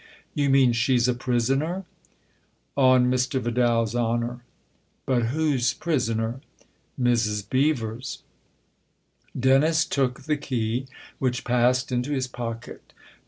" You mean she's a prisoner ?"" On Mr. Vidal's honour." " But whose prisoner ?"" Mrs. Beever's." Dennis took the key, which passed into his pocket.